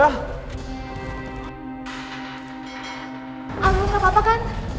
aduh gak apa apa kan